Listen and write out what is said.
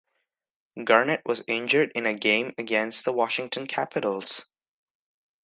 Garnett was injured in a game against the Washington Capitals.